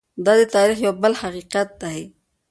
دا د تاریخ یو بل حقیقت دی.